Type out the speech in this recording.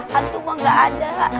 hantu mah nggak ada